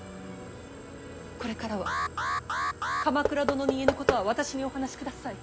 これからは鎌倉殿に言えぬことは私にお話しください。